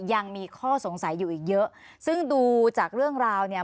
ยังมีข้อสงสัยอยู่อีกเยอะซึ่งดูจากเรื่องราวเนี่ย